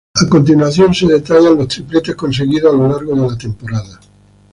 A continuación se detallan los tripletes conseguidos a lo largo de la temporada.